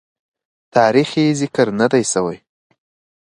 تاریخ یې ذکر نه دی سوی.